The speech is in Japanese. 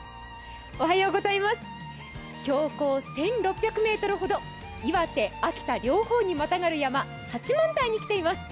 標高１６００ｍほど、岩手、秋田両方にまたがる山八幡平に来ています。